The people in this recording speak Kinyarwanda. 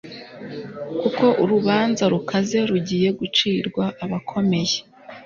kuko urubanza rukaze rugiye gucirwa abakomeye